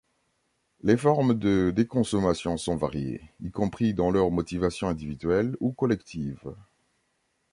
Les formes de déconsommation sont variées, y compris dans leurs motivations individuelles ou collectives.